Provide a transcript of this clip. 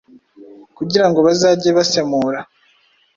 kugira ngo bazajye basemura